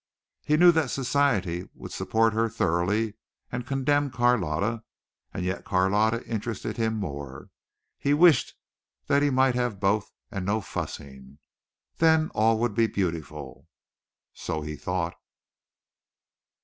He knew that society would support her thoroughly and condemn Carlotta, and yet Carlotta interested him more. He wished that he might have both and no fussing. Then all would be beautiful. So he thought.